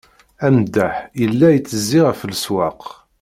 Ameddaḥ yella itezzi ɣef leswaq.